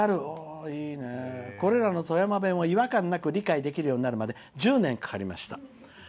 「これらの富山弁を違和感なく理解できるようになるまで１０年かかりました」。